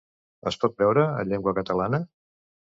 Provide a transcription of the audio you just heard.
Es pot veure en llengua catalana?